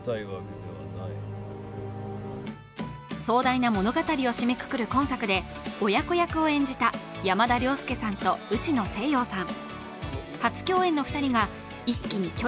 壮大な物語を締めくくる今作で、親子役を演じた山田涼介さんと、内野聖陽さん。